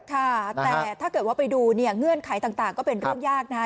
ค่ะแต่ถ้าเกิดว่าไปดูเนี่ยเงื่อนไขต่างก็เป็นเรื่องยากนะคะ